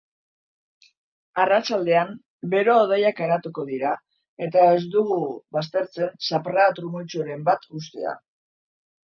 Arratsaldean bero-hodeiak garatuko dira eta ez dugu baztertzen zaparrada trumoitsuren bat uztea.